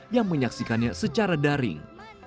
yang menyaksikannya secara daring